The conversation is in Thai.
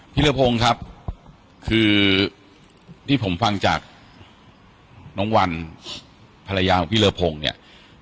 พี่เรือพงครับคือที่ผมฟังจากน้องวันภรรยาพี่เรือพงเนี่ย